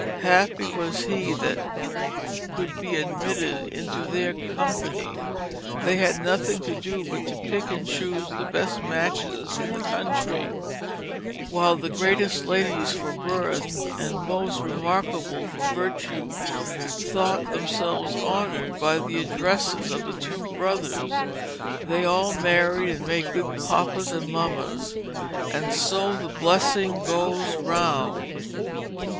Happy was he that could be admitted into their Company. They had nothing to do but to pick and choose the best Matches in the Country, while the greatest Ladies for Birth and most remarkable for Virtue thought themselves honoured by the Addresses of the two Brothers. They all married and made good Papas and Mamas, and so the blessing goes round."